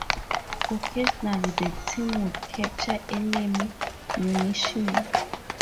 Occasionally, the teams would capture enemy munitions.